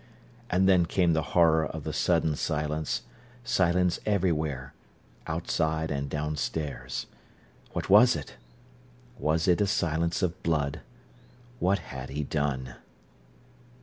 And then came the horror of the sudden silence, silence everywhere, outside and downstairs. What was it? Was it a silence of blood? What had he done?